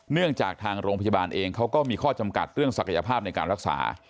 เนื่องจากทางโรงพยาบาลเองเขาก็มีข้อจำกัดเรื่องศักยภาพในการรักษา